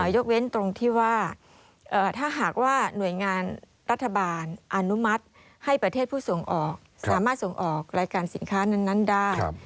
ยกเว้นตรงที่ว่าถ้าหากว่าหน่วยงานรัฐบาลอนุมัติให้ประเทศผู้ส่งออกสามารถส่งออกรายการสินค้านั้นได้